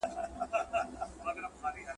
چي اوبه وي تيمم ته څه حاجت دئ.